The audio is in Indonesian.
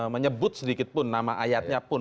menyebut sedikit pun nama ayatnya pun